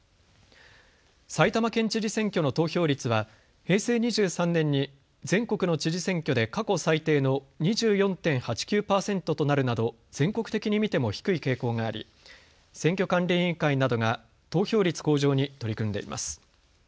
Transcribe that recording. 埼玉県知事選挙の投票率は平成２３年に全国の知事選挙で過去最低の２４．８９％となるなど全国的に見ても低い傾向があり選挙管理委員会などが投票率向上に取り組んでいます。